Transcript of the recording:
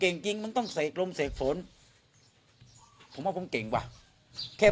จริงจริงมันต้องเสกลมเสกฝนผมว่าผมเก่งว่ะแค่